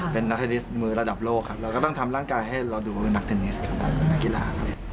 เป็นนักเทนนิสมือระดับโลกครับเราก็ต้องทำร่างกายให้เราดูว่าเป็นนักเทนนิสของนักกีฬาครับ